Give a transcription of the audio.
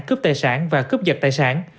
cướp tài sản và cướp tài sản